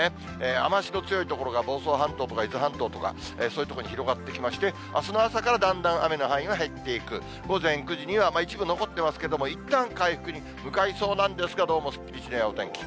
雨足の強い所が房総半島とか伊豆半島とか、そういう所に広がってきまして、あすの朝からだんだん雨の範囲が減っていく、午前９時には一部残ってますけれども、いったん回復に向かいそうなんですが、どうもすっきりしないお天気。